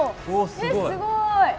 えっすごい。